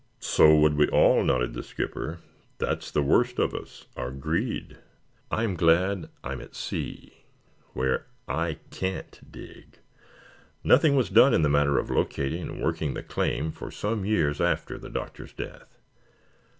"So would we all," nodded the skipper. "That's the worst of us, our greed. I am glad I am at sea, where I can't dig. Nothing was done in the matter of locating and working the claim for some years after the Doctor's death.